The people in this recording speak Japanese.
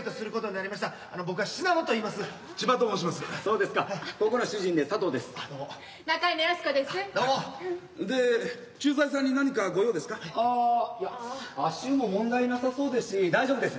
ああいや足湯も問題なさそうですし大丈夫です。